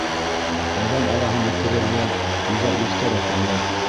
Әҙәм араһына керергә уға иртәрәк әле.